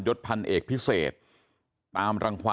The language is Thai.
ช่วยด้วยค่ะ